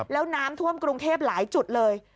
แล้วน้ำท่วมกรุงเทพหลายจุดเลย